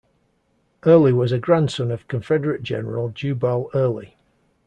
Early was a grandson of Confederate General Jubal Early.